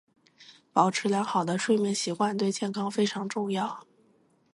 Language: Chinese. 保持良好的睡眠习惯对健康非常重要。